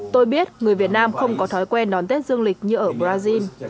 tôi biết người việt nam không có thói quen đón tết dương lịch như ở brazil